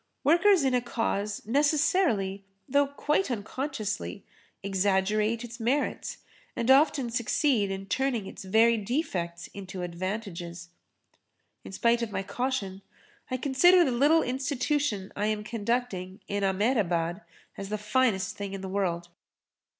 Workers in a cause necessarily, though quite unconsciously, exaggerate its merits and often succeed in turning its very defects into advantages. In spite of my caution I consider the little institution I am conducting in Ahmedabad as the finest thing in the world.